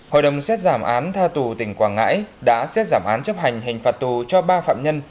hội đồng xét giảm án tha tù tỉnh quảng ngãi đã xét giảm án chấp hành hình phạt tù cho ba phạm nhân